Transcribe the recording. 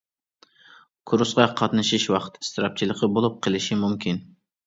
كۇرسقا قاتنىشىش ۋاقىت ئىسراپچىلىقى بولۇپ قېلىشى مۇمكىن.